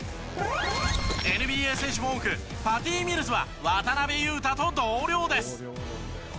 ＮＢＡ選手も多くパティ・ミルズは渡邊雄太と同僚です。